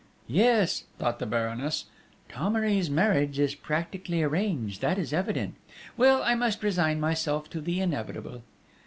"Yes," thought the Baroness, "Thomery's marriage is practically arranged, that is evident!... Well, I must resign myself to the inevitable!"